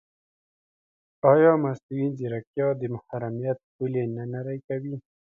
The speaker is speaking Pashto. ایا مصنوعي ځیرکتیا د محرمیت پولې نه نری کوي؟